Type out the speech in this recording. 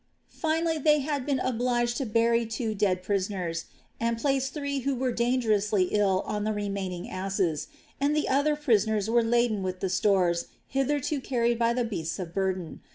Finally they had been obliged to bury two dead prisoners, and place three who were dangerously ill on the remaining asses; and the other prisoners were laden with the stores hitherto carried by the beasts of burden.